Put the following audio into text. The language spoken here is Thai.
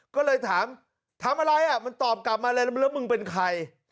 ก็เลยถามทำอะไรมันตอบกลับมาเลยแล้วมึงเป็นใคร